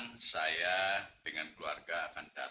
tidak tidak tidak